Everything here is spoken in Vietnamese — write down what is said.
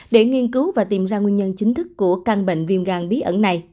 để nghiên cứu và tìm ra nguyên nhân chính thức của căn bệnh viêm gan bí ẩn này